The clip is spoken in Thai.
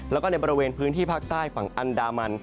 แล้วก็ในบริเวณพื้นที่ภาคใต้ฝั่งอันดามัน